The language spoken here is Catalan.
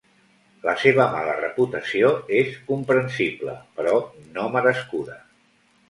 La seva mala reputació és comprensible, però no merescuda.